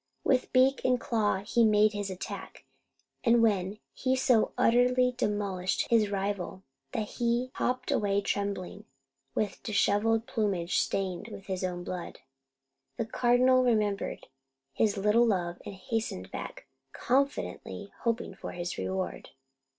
With beak and claw he made his attack, and when he so utterly demolished his rival that he hopped away trembling, with dishevelled plumage stained with his own blood, the Cardinal remembered his little love and hastened back, confidently hoping for his reward.